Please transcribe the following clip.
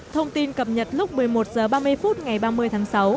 thông tin cập nhật lúc một mươi một h ba mươi phút ngày ba mươi tháng sáu